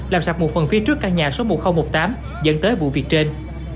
làm sập một phần phía trước căn nhà số một nghìn một mươi tám dẫn tới vụ việc trên